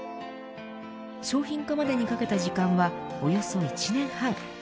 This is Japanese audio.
商品化までにかけた時間はおよそ１年半。